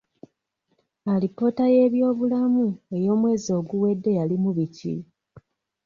Alipoota y'ebyobulamu ey'omwezi oguwedde yalimu biki?